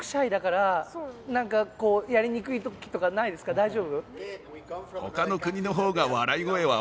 大丈夫？